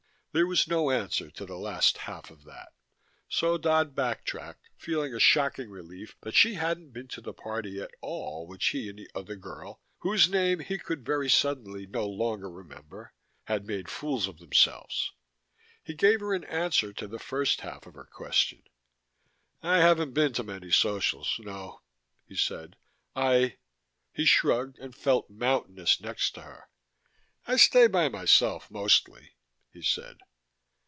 There was no answer to the last half of that, so Dodd backtracked, feeling a shocking relief that she hadn't been to the party at which he and the other girl (whose name he could very suddenly no longer remember) had made fools of themselves. He gave her an answer to the first half of her question. "I haven't been to many Socials, no," he said. "I " He shrugged and felt mountainous next to her. "I stay by myself, mostly," he said.